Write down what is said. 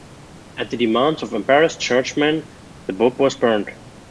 At the demands of embarrassed churchmen, the book was burnt.